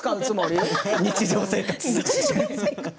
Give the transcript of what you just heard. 日常生活で。